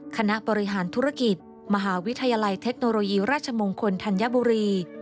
คณะบริหารธุรกิจมหาวิทยาลัยเทคโนโลยีราชมงคลธัญบุรี